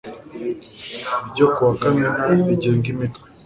ryo kuwa Kamena rigenga Imitwe